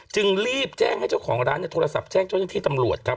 จึงรีบแจ้งให้เจ้าของร้านโทรศัพท์แจ้งเจ้าหน้าที่ตำรวจครับ